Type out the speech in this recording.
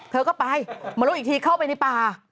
เธอก็ไปมารู้อีกทีเข้าไปในป่า